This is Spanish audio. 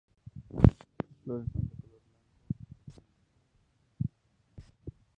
Sus flores son de color blanco y pequeñas y están en racimos.